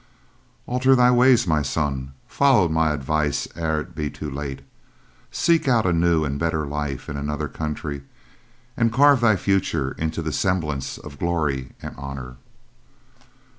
"Alter thy ways, my son; follow my advice ere it be too late. Seek out a new and better life in another country and carve thy future into the semblance of glory and honor."